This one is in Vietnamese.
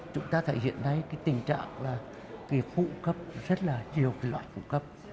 chúng ta thể hiện thấy tình trạng là phụ cấp rất là nhiều loại phụ cấp